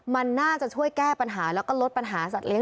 มันน่าจะช่วยแก้ปัญหาแล้วก็ลดปัญหาสัตว์เลี้ย